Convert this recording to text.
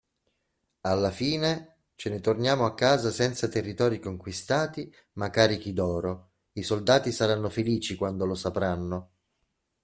Alla fine, ce ne torniamo a casa senza territori conquistati ma carichi d'oro, i soldati saranno felici quando lo sapranno.